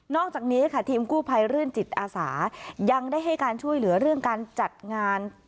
อกจากนี้ค่ะทีมกู้ภัยรื่นจิตอาสายังได้ให้การช่วยเหลือเรื่องการจัดงาน